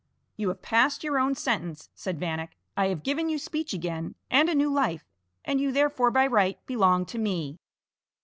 "You have passed your own sentence," said Vanek; "I have given you speech again and a new life, and you therefore by right belong to me."